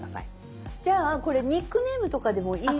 じゃあこれニックネームとかでもいい話？